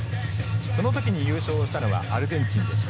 その時に優勝したのがアルゼンチンでした。